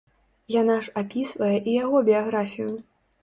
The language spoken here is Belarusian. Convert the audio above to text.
Яна ж апісвае і яго біяграфію.